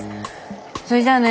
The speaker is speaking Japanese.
そいじゃあね。